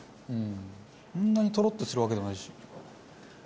そんなにとろっとするわけでもないし。